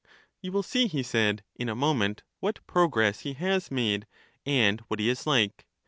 You will see, he said, in a moment what progress he has made and what he is like.